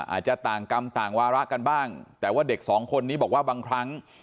อาจจะต่างกรรมต่างวาระกันบ้างแต่ว่าเด็กสองคนนี้บอกว่าบางครั้ง